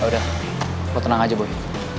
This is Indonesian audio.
yaudah lo tenang aja boy